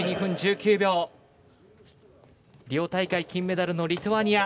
リオ大会金メダルのリトアニア。